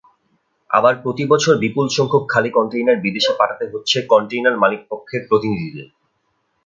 আবার প্রতিবছর বিপুলসংখ্যক খালি কনটেইনার বিদেশে পাঠাতে হচ্ছে কনটেইনার মালিকপক্ষের প্রতিনিধিদের।